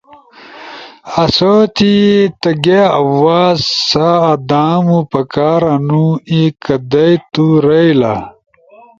آسو تی تگھے آواز سامو پکارنو ای کدئی تُو رائیلا۔